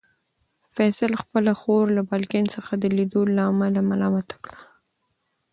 فیصل خپله خور له بالکن څخه د لیدلو له امله ملامته کړه.